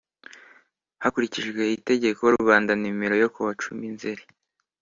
Hakurikijwe itegeko Rwanda n yo kuwacumi nzzeri